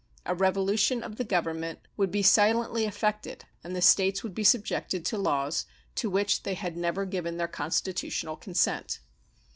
A revolution of the Government would be silently effected and the States would be subjected to laws to which they had never given their constitutional consent.